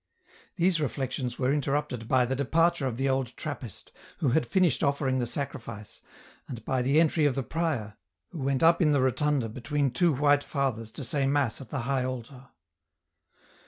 These reflections were interrupted by the departure of the old Trappist, who had finished offering the sacrifice, and by the entry of the prior, who went up in the rotunda between two white fathers to say mass at the high altar.